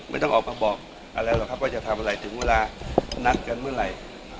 ไม่ต้องออกมาบอกอะไรหรอกครับว่าจะทำอะไรถึงเวลานัดกันเมื่อไหร่